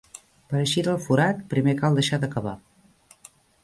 Per a eixir del forat, primer cal deixar de cavar.